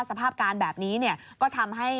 สภาพการแบบนี้ก็ทำให้